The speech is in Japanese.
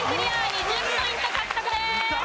２０ポイント獲得です。